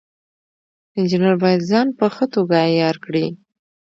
انجینر باید ځان په ښه توګه عیار کړي.